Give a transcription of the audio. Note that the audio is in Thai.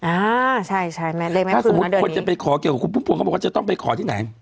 อ่าใช่ใช่ถ้าสมมุติคนจะไปขอเกี่ยวกับคุณพุ่มพวงเขาบอกว่าจะต้องไปขอที่ไหน